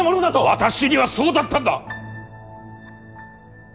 私にはそうだったんだ！